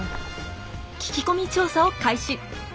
聞き込み調査を開始。